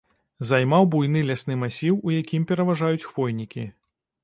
Займаў буйны лясны масіў, у якім пераважаюць хвойнікі.